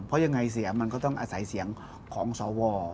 เพราะยังไงเสียมันก็ต้องอาศัยเสียงของสว